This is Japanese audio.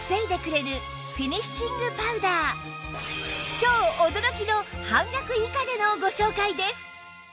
超驚きの半額以下でのご紹介です